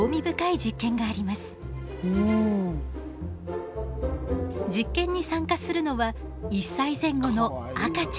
実験に参加するのは１歳前後の赤ちゃん。